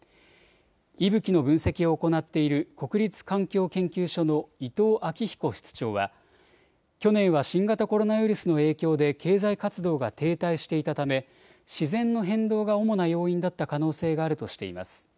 いぶきの分析を行っている国立環境研究所の伊藤昭彦室長は去年は新型コロナウイルスの影響で経済活動が停滞していたため自然の変動が主な要因だった可能性があるとしています。